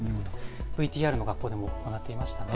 ＶＴＲの学校でも行っていましたね。